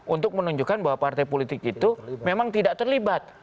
untuk menunjukkan bahwa partai politik itu memang tidak terlibat